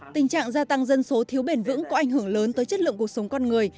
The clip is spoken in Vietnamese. tình trạng gia tăng dân số thiếu bền vững có ảnh hưởng lớn tới chất lượng cuộc sống con người